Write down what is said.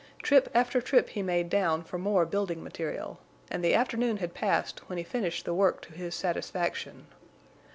Trip after trip he made down for more building material, and the afternoon had passed when he finished the work to his satisfaction.